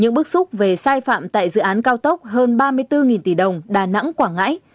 những bức xúc về sai phạm tại dự án cao tốc hơn ba mươi bốn tỷ đồng đà nẵng quảng ngãi